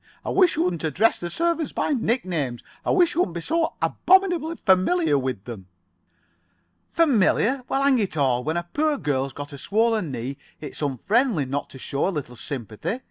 I wish you wouldn't address the servants by nicknames. I wish you wouldn't be so abominably familiar with them." "Familiar? Well, hang it all, when a poor girl's got a swollen knee it's unfriendly not to show a little sympathy.